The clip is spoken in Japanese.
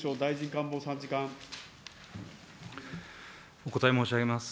お答え申し上げます。